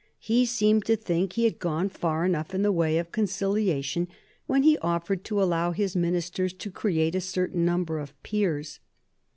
He seemed to think he had gone far enough in the way of conciliation when he offered to allow his ministers to create a certain number of peers.